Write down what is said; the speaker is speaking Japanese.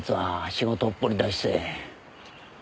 仕事ほっぽり出して。